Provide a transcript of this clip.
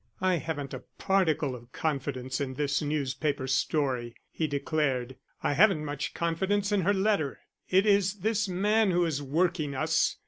"I haven't a particle of confidence in this newspaper story," he declared. "I haven't much confidence in her letter. It is this man who is working us.